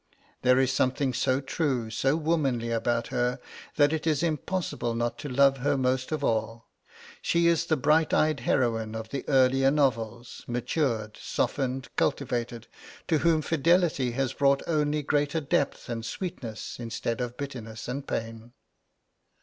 There is something so true, so womanly about her, that it is impossible not to love her most of all. She is the bright eyed heroine of the earlier novels, matured, softened, cultivated, to whom fidelity has brought only greater depth and sweetness instead of bitterness and pain.